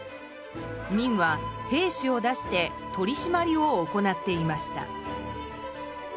明は兵士を出して取り締まりを行っていました。